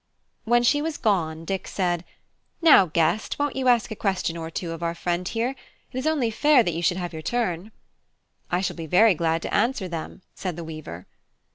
When she was gone, Dick said "Now guest, won't you ask a question or two of our friend here? It is only fair that you should have your turn." "I shall be very glad to answer them," said the weaver.